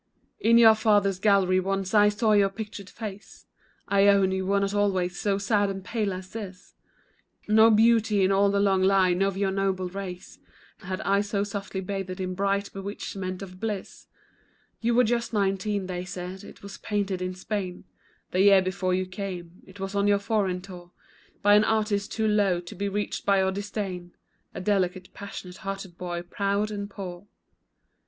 In your father's gallery once, I saw your pictured face, Ione you were not always so sad and pale as this, No beauty in all the long line of your noble race Had eyes so softly bathed in bright bewitchment of bliss, You were just nineteen, they said it was painted in Spain The year before you came it was on your foreign tour, By an artist too low to be reached by your disdain, A delicate, passionate hearted boy, proud and poor.